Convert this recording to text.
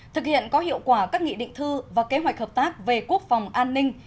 thực hiện có hiệu quả các nghị định thư và kế hoạch hợp tác về quốc phòng an ninh